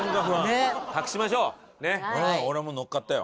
俺も乗っかったよ。